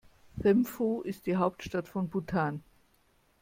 Thimphu ist die Hauptstadt von Bhutan.